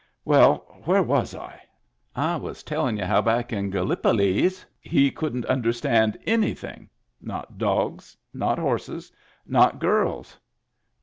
Well, where was I ? I was tellin' y'u how back in Gallipol^^^^ he couldn't understand anything. Not dogs. Not horses. Not girls."